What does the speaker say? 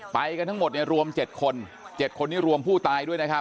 ไปกันทั้งหมดเนี่ยรวม๗คน๗คนนี้รวมผู้ตายด้วยนะครับ